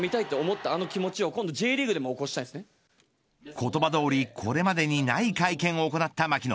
言葉どおりこれまでにない会見を行った槙野。